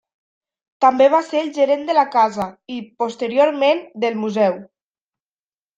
També va ser el gerent de la casa i, posteriorment, del museu.